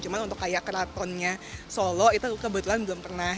cuma untuk kayak keratonnya solo itu kebetulan belum pernah